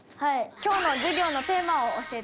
今日の授業のテーマを教えてください。